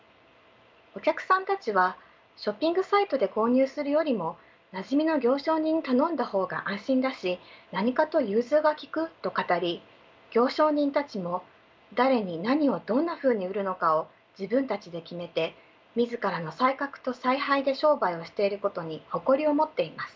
お客さんたちはショッピングサイトで購入するよりもなじみの行商人に頼んだ方が安心だし何かと融通が利くと語り行商人たちも誰に何をどんなふうに売るのかを自分たちで決めて自らの才覚と采配で商売をしていることに誇りを持っています。